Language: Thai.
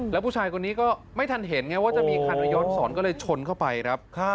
แล้วผู้ชายคนนี้ก็ไม่ทันเห็นไงว่าจะมีคันย้อนสอนก็เลยชนเข้าไปครับ